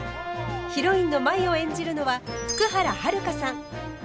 ヒロインの舞を演じるのは福原遥さん。